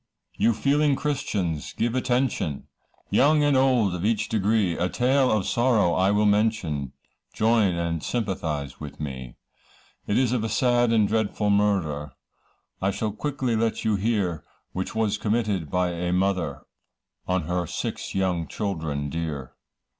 You feeling christians give attention, Young and old of each degree, A tale of sorrow I will mention, Join and sympathise with me; It's of a sad and dreadful murder, I shall quickly let you hear, Which was committed by a mother, On her six young children dear.